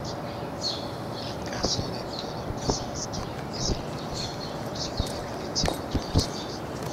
El caso de Theodore Kaczynski es el único ejemplo conocido de violencia contra personas.